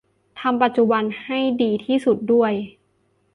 ทำปัจจุบันให้ดีที่สุดด้วย